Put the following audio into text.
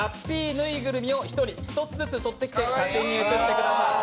ぬいぐるみを１人１つずつ取ってきて写真に写ってください。